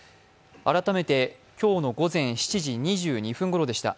改めて今日の午前７時２２分ごろでした。